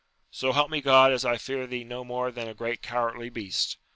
* So help me God, as I fear thee no more than a great cowardly beast.